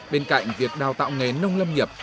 bên cạnh việc đào tạo nghề nông lâm nghiệp